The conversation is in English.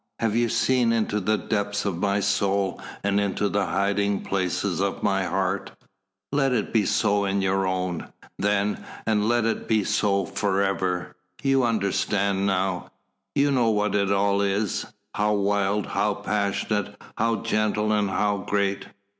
Have you seen into the depths of my soul and into the hiding places of my heart? Let it be so in your own, then, and let it be so for ever. You understand now. You know what it all is how wild, how passionate, how gentle and how great!